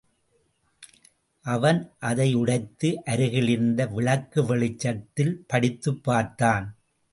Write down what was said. அவன் அதை உடைத்து அருகில் இருந்த விளக்கு வெளிச்சத்தில் படித்துப் பார்த்தான்.